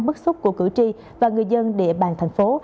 bức xúc của cử tri và người dân địa bàn thành phố